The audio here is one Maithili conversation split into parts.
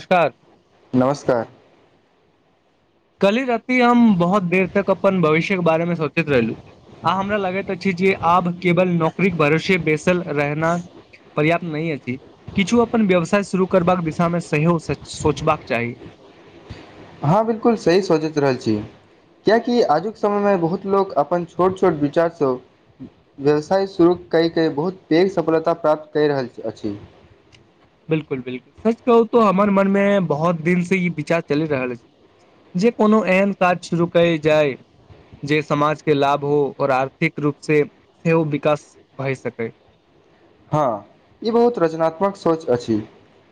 नमस्कार नमस्कार। काल्हि राति हम बहुत देर तक अपन भविष्यके बारेमे सोचैत रहलहुं, आ हमरा लगैत अछि जे आब केवल नौकरीक भरोसे बेैसल रहना पर्याप्त नहि अछि, किछु अपन व्यवसाय शुरू करबाक दिशामे सेहो सोचबाक चाही। हां, बिलकुल सही सोचि रहल छी, कियाकि आजुक समयमे बहुत लोक अपन छोट छोट विचारसं व्यवसाय शुरू कयके बहुत पैघ सफलता प्राप्त करि रहल अछि। बिलकुल, बिलकुल, सच कहु तं हमर मनमे बहुत दिन से इ विचार चलि रहल अछि जे कोनो एहन काज शुरू कयल जाय जे समाज के लाभ हो और आर्थिक रूप से सेहो विकास भए सकै। हां, इ बहुत रचनात्मक सोच अछि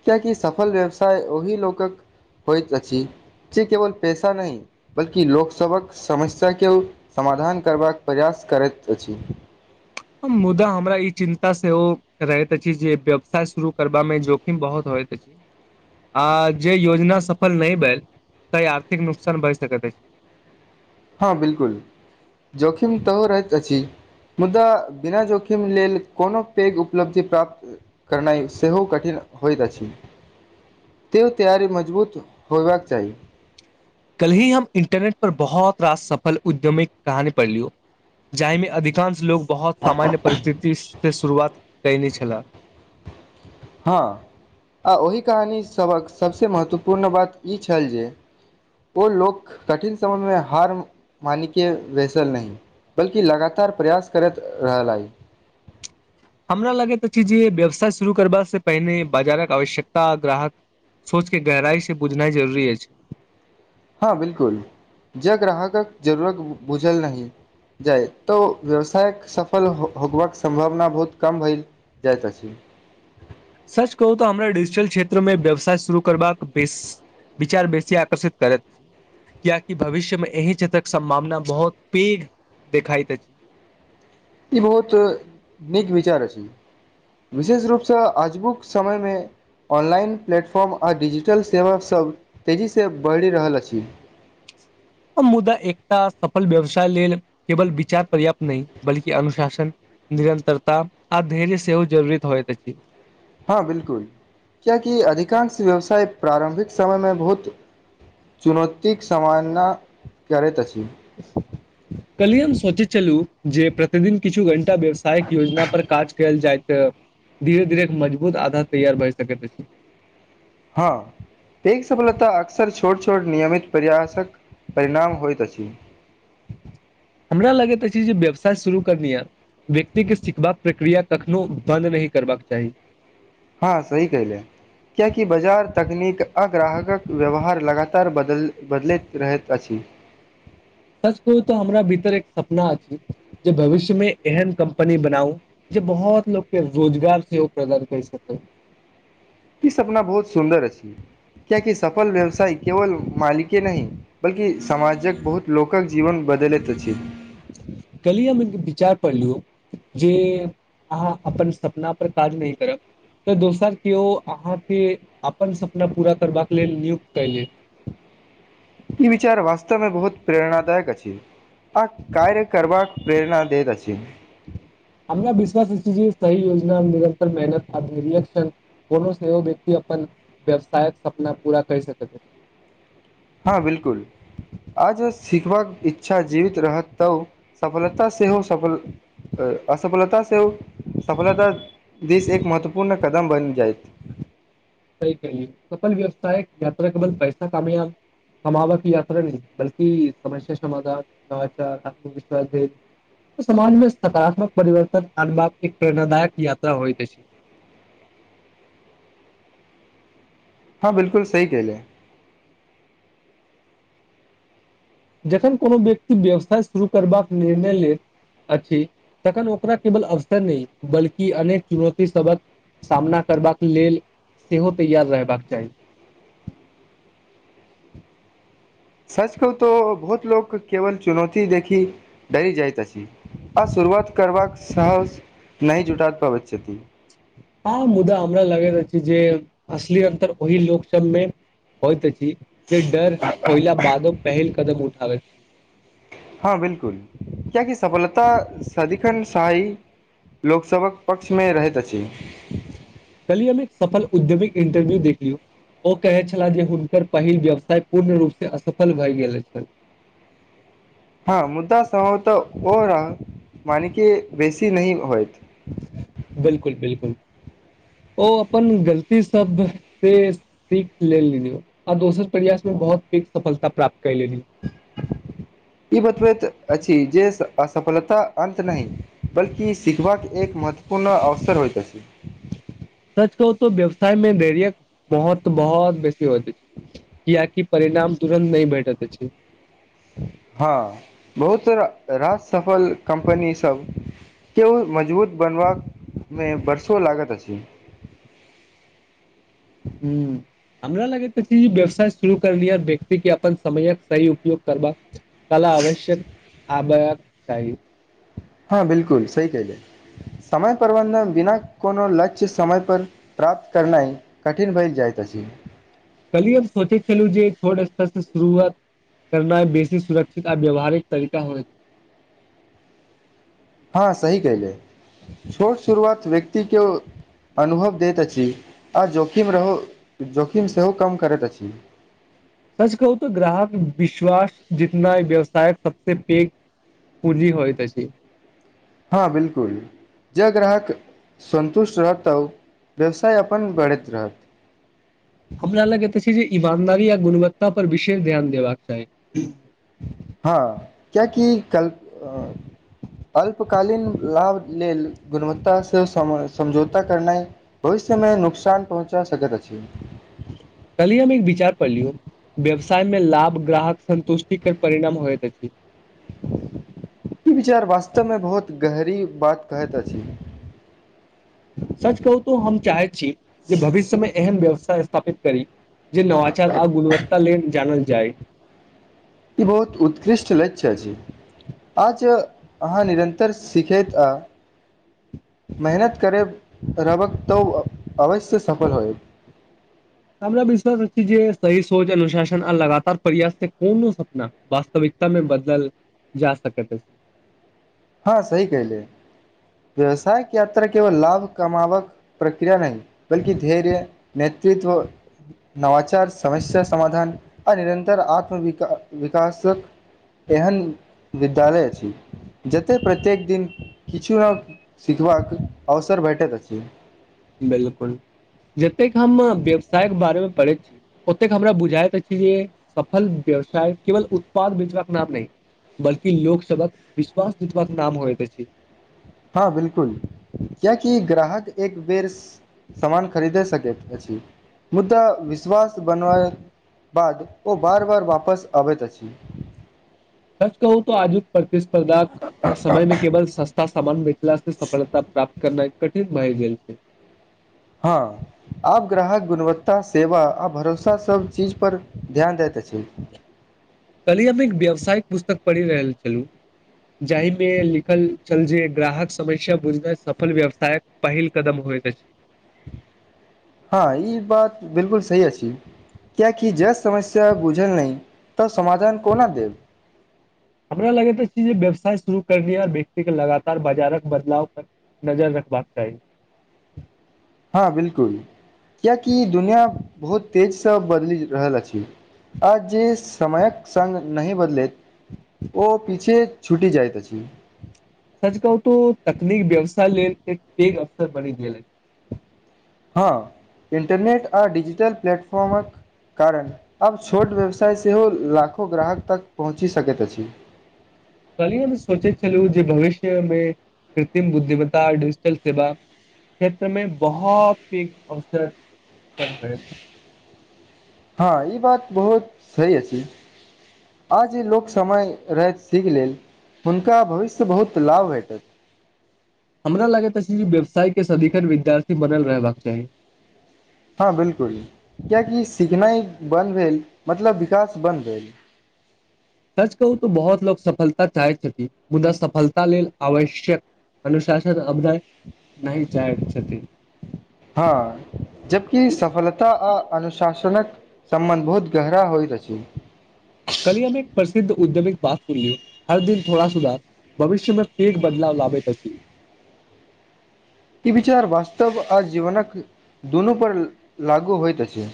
कियाकि सफल व्यवसाय ओहि लोकक होइत अछि जे केवल पैसा नहि बल्कि लोकसबहक समस्याके समाधान करबाक प्रयास करैत अछि मुदा हमरा ई चिन् ता सेहो रहैत अछि जे व्यवसाय शुरू करबा मे जोखिम बहुत होइत अछि आ जे योजना सफल नहि भेल त आर्थिक नुकसान बढ़ि सकैत अछि। हां बिलकुल, जोखिम त रहैत अछि मुदा बिना जोखिम लेल कोनो पैघ उपलब्धि प्राप्त करनाइ सेहो कठिन होइत अछि, तें तैयारी मजबूत होयबाक चाही। कल ही हम इंटरनेट पर बहुत रास सफल उद्यमीक कहानी पढ़ लियौ जाहिमे अधिकांश लोक बहुत सामान्य परिस्थिति से शुरुआत कयने छलाह। हां, आ ओहि कहानीसभक सबसं महत्वपूर्ण बात इ छल जे ओ लोक कठिन समयमे हार मानि के बैसल नहि बल्कि लगातार प्रयास करैत रहलै। हमरा लगैत अछि जे व्यवसाय शुरू करबा से पहिने बाजारक आवश्यकता, ग्राहकक सोचके गहराइसं बुझनाइ जरूरी अछि। हां बिलकुल, जं ग्राहकक जरूरत बुझल नहि जाय त व्यवसायक सफल होबाक सम्भावना बहुत कम भय जाइत अछि। सच कहु तं हमरा डिजिटल क्षेत्र मे व्यवसाय शुरू करबाक बेस विचार बेसी आकर्षित करत कियाकि भविष्य मे एहि क्षेत्रक सम्भावना बहुत पैघ देखाइत अछि। इ बहुत नीक विचार अछि, विशेष रूपसं आजुक समयमे ऑनलाइन प्लेटफॉर्म आ डिजिटल सेवासब तेजीसं बढ़ि रहल अछि। आ मुदा एकता सफल व्यवसाय लेल केवल विचार पर्याप्त नहि बल्कि अनुशासन, निरन्तरता आ धैर्य सेहो जरूरत होइत अछि। हां, बिलकुल, कियाकि अधिकांश व्यवसाय प्रारम्भिक समय मे बहुत चुनौतीक सामना करैत अछि। हुं। काल्हिये हम सोचैत छलहुं जे प्रतिदिन किछु घं टा व्यावसायिक योजना पर काज कयल जायत। ते, धीरे-धीरे एक मजबुत आधार तैयार भए सकैत अछि। हां, पैघ सफलता अक्सर छोट छोट नियमित प्रयासक परिणाम होइत अछि। हमरा लगैत अछि जे व्यवसाय शुरू करनीए, व्यक्तिके सिखबाक प्रक्रिया कखनहु बन्द नहि करबाक चाही। हां, सही कयलियै, किएकि बाजार तकनीक आ ग्राहकक व्यवहार लगातार बदलल बदलैत रहैत अछि। सच कहु त हमरा भितर एक सपना अछि जे भविष्यमे एहन कम्पनी बनाउ जे बहुत लोकके रोजगार सेहो प्रदान कय सकै। इ सपना बहुत सुन्दर अछि, कियाकि सफल व्यवसाय केवल मालिके नहि बल्कि समाजक बहुत लोकक जीवन बदलैत अछि। काल्हिये हम एक विचार पढ़लहुं जे अहाँ अपन सपना पर काज नहि करब त दोसर केओ अहाँके अपन सपना पुरा करबाक लेल नियुक्त कय लेत। ई विचार वास्तवमे बहुत प्रेरणादायक अछि आ कार्य करबाक प्रेरणा दैत अछि। हमरा विश्वास जे सही योजनामे निरन्तर मेहनत आरक्शन कोनो सेहो व्यक्ति अपन व्यवसायक सपना पूरा कर सकैत अछि। हँ बिलकुल आज सिखबाक इच्छा जीवित रहत तब सफलता सेहो सफल असफलता सेहो सफलता दिस एक महत्वपूर्ण कदम बनि जायत स क सफल व्यवसाय याता केल पैसा कामयाब कमााबा के यात्रा नहि बल्कि समस्या समाधान नवाचार आत्मविश्वास झ समाजमे सकारात्मक परिवर्तन आनबाक एक प्रेरणादायक यात्रा होइ जा छै। हां बिलकुल सही कहलियै। जखैन कोनो व्यक्ति व्यवसाय शुरू करबाक निर्णय लैत अछि तखन ओकरा केवल अवसर नहि, बल्कि अनेक चुनौती सभक सामना करबाक लेल, सेहो तैयार रहबाक चाही। सच कह तो बहुत लोक केवल चुनौती देखी डरी जाइत अछि आ शुरुआत करबाक सहस नहि जुटा पाबैत। आ मुदा हमरा लगैत अछि जे अशली अन्तर ओहि लोक सभमे होइत अछि। जे डर होइल बादो पहिल कदम उठ ल। हँ बिलकुल कियाकि सफलता सदिखन शी लोकसभक पक्षमे रहैत अछि। कलियम एक सफल उद्योमिक इंटरव्यू देख लियौ ओ कहै छलाह जे हुनकर पहिल व्यवसाय पूर्ण रूपसँ असफल भए गेल छलनि। हँ मुद्दा सम्भव तऽ ओ रह मानिक बेसी नहिी होइत। बिलकुल बिलकुल ओ अपन गलती सब से सीख लेल आ दोसर प्रयासमे बहुत सफलता प्राप्त क लेली। ई बतबैत अछि जे असफलता अन्त नहि बल्कि सिखबाक एक महत्वपूर्ण अवसर होइत अछि। सच कहू तऽ व्यवसाय मे धैर्य्यक महत्व बहुत बेसी होइते छै किियकि परिणाम तुरन्त नहि भेटत छै। हँ बहुत र सफल कम्पनीसभ के ओ मजबूत बनबामे वर्षो लागैत अछि। ह हमरा लगैत छै व्यवसाय शुरू करल व्यक्तिके अपन समयक सही उपयोग करबाका कला आवश्यक आबै चाही हँ बिलकुल सही कले समय प्रबन्धन बिना कोनो लक्ष्य समय पर प्राप्त करनाइ कठिन भेलए जाइत अछि। कल्हि हम सोचैत छलहुँ जे छोट शुरुआत करना बेसी सुरक्षित आ व्यावहारिक तरीका हो हँ सही कयलै छोट शुरुआत व्यक्तिके अनुभव दैत अछि आ जोखिम रहू जोखिम सेहो कम करैत अछि सच कहू तऽ ग्राहक विश्वास जितना व्यवसायक सबस पैघ पूंजी होइ त हँ बिलकुल ज ग्राहक सन्तुष्ट रहत तब व्यवसाय अपन बढ़ैत रहत हमरा लगै तऽ छै जे ईमानदारी आ गुणवत्ता परर विशेष ध्यान देबाक चाही। हँ क्याकि कल अल्पकालीन लाभ लेल गुणवत्तास से समझौता करनाइ भविष्यमे नुकसान पहुँचा सकैत अछि। कली हम एक विचार पढ़ लियौ व्यवसायमे लाभ ग्राहक संन्तुष्टिके परिणाम होइत अछि। ई विचार वास्तवमे बहुत गहरी बात कहैत अछि। सच कहू तो हम चाहैत छी जे भविष्यमे एहन व्यवस्था स्थापित करी जे नवचार आ गुणवत्त लै जानल जाइ ई बहुत उत्कृष्ट लक्ष्यी आज अहाँ निरन्तर सिखैत आ मेहनत करे रबक तो अवश्य सफल हो। हमरा विश्वास जे सही सोच अनुशासन आ लगातार प्रयास छै कोन न सपना वास्तविकतामे बदल जा सक हँ सी कहहि ले व्यवसाय क यात्रा केवल लाभ कमावक प्रक्रिया नहि बल्ि धैर्य नेतृत्व नवाचार समस्या समाधान- आ निरन्तर आत्मविक विकासके एहन विद्यालय अछि। जतय प्रत्येक दिन किछु ने जी। बिलकुल जतेक हम व्यवसायके बारेमे पढ़ैत छी ओतेक हमरा बुझाइत अछि जे सफल व्यवसाय केवल उत्पाद बीितबाक नाम नहि बल्कि लोकसभक विश्वास जीतबाक नाम होइत अछि। हँ बिलकुल किएकि ग्राहक एक बेर सामान खरीदे सकैत अछि मुदा विश्वास बनबाक बाद ओ बार बार वापस आबैत अछि। सच कहू त आजुक प्रतिस्पर्धा समय मे केवल सस्त ता सामानमे [unintelligible] सफलता प्राप्त करनाइ कठिन भाय गेलल छैय। हँ आब ग्राहक गुणवत्ता सेवा आ भरोसा सब चीज पर ध्यान दए त छै। वाय पुस्तक पढ़ि रहल छलू जाहिमे लिखल छल जे ग्राहक समस्या बुझनाइ सफल व्यवसायक पहिल कदम होइत अछि। हां ई बात बिलकुल सही अछि क्याकि जस समस्या बुझल नहि तऽ समाधान कोना देब हमरा लगे छ जे व्यवसाय शुरू करनिहार व्यक्ति के लगातार बाजारक बदलाव पर नजर रखबाक चाही। हँ बिल्कुल कियकि दुनिआँ बहुत तेजसँ बदलि रहल अछि आ जे समयक सङ्ग नहि बदलैत ओ पीछे छुटि जाइत अछि। सच कहू तऽ तकनीक व्यवसाय लेल एक पेघ अवसर बनि गेल ये। हँ इन्टरनेट आ डिजिटल प्लेटफॉर्मक कारण आब छोट व्यवसाय सेहो लाखो ग्राहक तक पहुँचि सकैत अछि। कहलियै हम सोचै छलहु जे भविष्यमे कृत्रिम बुद्धिमता डिजिटल सेवा क्षेत्रमे बहुत पघ अवसर उपर होय। हँ ई बात बहुत सही अछि आ जे लोक समय रहैत सीख लेल हुनका भविष्य बहुत लाभ भेटत। हमरा लागैत अछि व्यवसायके सदिखन विद्यार्थी बनल रहबाक चाही। हँ बिलकुल क्यकि सिखनाइ बन्द भेल मतलब विकास बन्द भेल। सच कहू तऽ बहुत लोक सफलता चाहे छथि मुदा सफलता लेल आवश्यक अनुशासन अध नहि चाहे छथि। हँ जबकि सफलता आ अनुशासनक समबन्ध बहुत गहरा होइत अछि। कलियमे एक प्रसिद्ध उऔद्यमिक बात सुनलिय हर दिन थोड़ा सुधार भविष्यमे फेर बदलाव लाबैत अछि। ई विचार वास्तव आ जीवनक दुूनू पर लागू होइत छैय।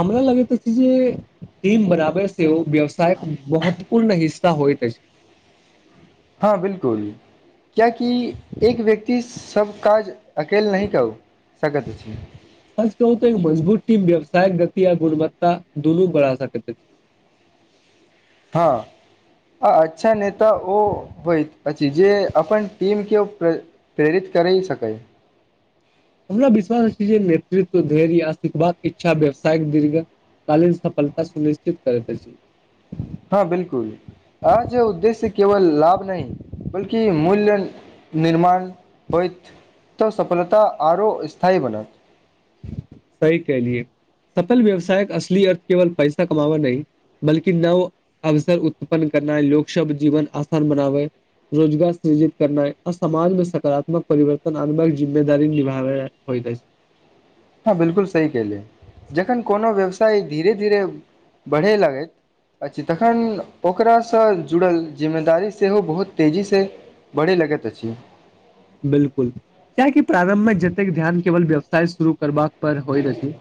हमरा लगैत छै जे टीम बराबर सेहो व्यवसायक महत्वपूर्ण हिस् ता होइत अछि। हँ बिलकुल क्यकि एक व्यक्ति सब काज अकेल नहि कऽ सकैत अछि [unintelligible] हाय गति आ गुणवत्ता दुनू बढ़ा सकैत छी। हाँ आ अच्छा नेता ओ होइत अछि। जे जे अपन टीम केओ प्रेरित करि सकै। हमरा विश्वास अछि जे नेतृत्व धैर्य आ सिखबाक इच्छा व्यवसायक दीर्घ कालीन सफलता सुनिश्चित करैत अछि। हँ बिलकुल आजे उद्देश्य केवल लाभ नहि बल्कि मूल्य निर्माण होयत तऽ सफलता आरो स्थायी बनत। सही कहलिय सफल व्यवसायक असल अर्थ केवल पैसा कमावै नहि बल्कि नव अवसर उत्पन्न करना लोक सभ जीवन आसान बनावै रोजगार सृजित करना आ समाजमे सकारात्मक परिवर्तन आनबाक जिम्मेदारी निभावे होत ऐछ। हँ बिलकुल सही कहलये जखन कोनो व्यवसाय धीरे धीरे बढ़य लगैत अछि तखन ओकरासँ जुड़ल जिम्मेदारी सेहो बहुत तेजीसँ बढ़य लगैत अछि। बिलकुल कियाकि प्रारम्भमे जतेक ध्यान केवल व्यवसाय शुरू करबा पर होइत अछि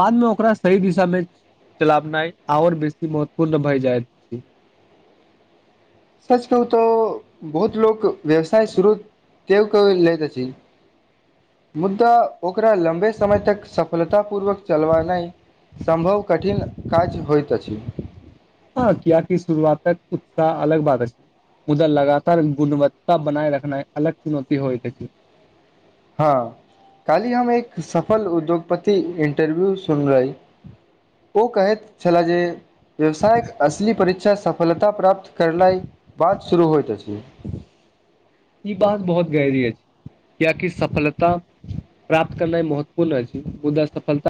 बादमे ओकरा सही दिशामे चलाबनाइ आओर बेसी महत्वपूर्ण भए जाइत। सच कहू तऽ बहुत लोक व्यवसाय शुरू दे कऽ लैत अछि मुदा ओकरा लम्बे समय तक सफलतापूर्वक चलवेनाइ सम्भव कठिन काज होइत अछि। हँ कियकि शुरुआतक उत्साह अलग बात अछि मुदा लगातार गुणवत्ता बनाय रखनाइ अलग चुनौती होइत अछि। हँ कालहि हम एक सफल उद्योगपति इंटरव्यू सुनली ओ कहैत छला जे व्यवसायक असली परीक्षा सफलता प्राप्त करलाइ बाद शुरू होइत अछि। ई बात बहुत गहरी अछि कियाकि सफलता प्राप्त करनाइ महत्वपूर्ण अछि मुदा सफलता